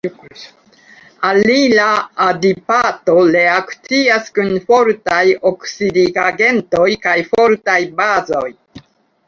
Alila adipato reakcias kun fortaj oksidigagentoj kaj fortaj bazoj.